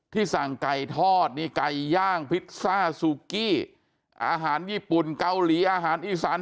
สั่งไก่ทอดนี่ไก่ย่างพิซซ่าซูกี้อาหารญี่ปุ่นเกาหลีอาหารอีสาน